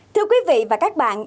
thưa quý vị và các bạn